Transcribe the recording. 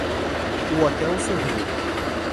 O hotel sorriu.